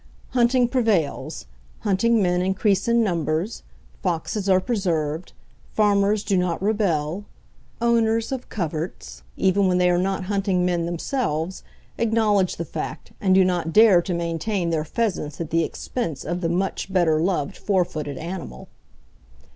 Hunting prevails; hunting men increase in numbers; foxes are preserved; farmers do not rebel; owners of coverts, even when they are not hunting men themselves, acknowledge the fact, and do not dare to maintain their pheasants at the expense of the much better loved four footed animal.